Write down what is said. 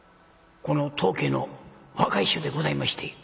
「この当家の若い衆でございまして」。